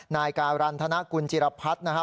นายการรันทนากุญจิรพัฒน์นะฮะ